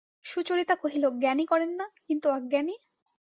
সুচরিতা কহিল, জ্ঞানী করেন না, কিন্তু অজ্ঞানী?